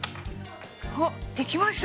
あできました。